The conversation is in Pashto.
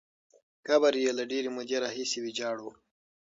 قبر یې له ډېرې مودې راهیسې ویجاړ وو.